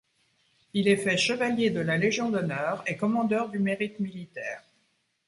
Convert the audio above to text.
Il est fait chevalier de la Légion d'honneur et commandeur du mérite militaire.